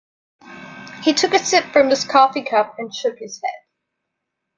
He took a sip from his coffee cup and shook his head.